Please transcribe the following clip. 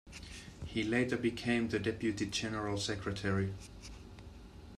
He later became the Deputy General Secretary.